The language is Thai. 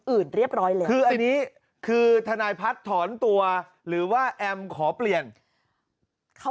อื่นเรียบร้อยเลยคือทนายพัฒน์ถอนตัวหรือว่าแอมขอเปลี่ยนเขา